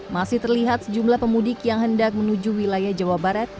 masih terlihat sejumlah pemudik yang hendak menuju wilayah jawa barat